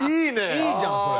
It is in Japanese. いいじゃんそれ。